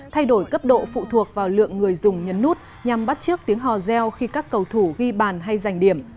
thay đổi cấp độ phụ thuộc vào lượng người dùng nhấn nút nhằm bắt trước tiếng hò reo khi các cầu thủ ghi bàn hay giành điểm